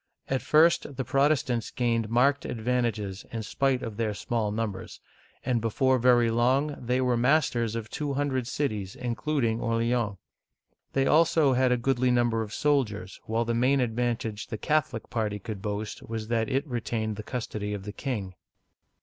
At first the Protestants gained marked advantages in spite of their small numbers, and before very long they were masters of two hundred cities, includ ing Orleans. They also had a goodly number of soldiers, while the main advantage the Catholic party could boast was that it retained the custody of the king.